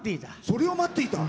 「それを待っていた」？